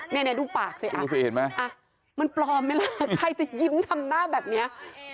เนี่ยดูปากสิดูสิเห็นไหมมันปลอมไหมล่ะใครจะยิ้มทำหน้าแบบนี้